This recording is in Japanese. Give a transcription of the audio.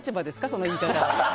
その言い方。